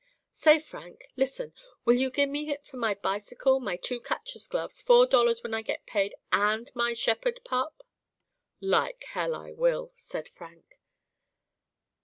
'Say Frank listen, will you gimme it for my bicycle, my two catcher's gloves, four dollars when I get paid and my shepherd pup?' 'Like hell I will,' said Frank.